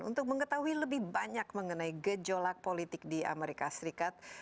untuk mengetahui lebih banyak mengenai gejolak politik di amerika serikat